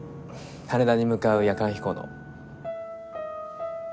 羽田に向かう夜間飛行の。